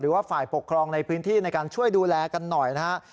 ว่าฝ่ายปกครองในพื้นที่ในการช่วยดูแลกันหน่อยนะครับ